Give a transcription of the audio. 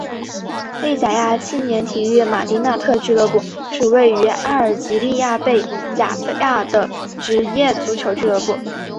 贝贾亚青年体育马迪纳特俱乐部是位于阿尔及利亚贝贾亚的职业足球俱乐部。